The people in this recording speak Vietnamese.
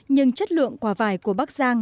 nhưng chất lượng quả vải của bắc giang